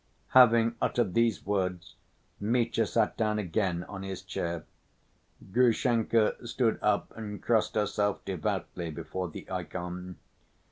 Having uttered these words Mitya sat down again on his chair. Grushenka stood up and crossed herself devoutly before the ikon.